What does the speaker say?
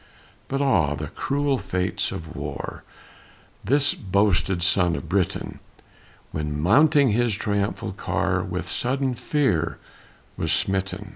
But ah, the cruel fates of war! This boasted son of Britain, When mounting his triumphal car, With sudden fear was smitten.